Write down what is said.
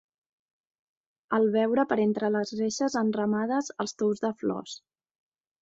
Al veure per entre les reixes enramades els tous de flors